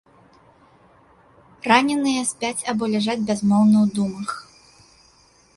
Раненыя спяць або ляжаць бязмоўна ў думах.